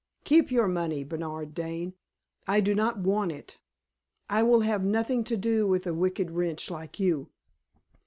Keep your money, Bernard Dane; I do not want it. I will have nothing to do with a wicked wretch like you!"